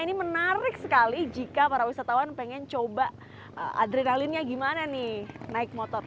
ini menarik sekali jika para wisatawan pengen coba adrenalinnya gimana nih naik motor